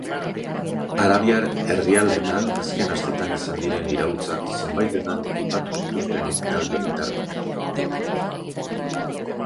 Arabiar herrialdeetan azken asteetan izan diren iraultzak zenbaitetan aipatu zituzten ekitaldia bitartean.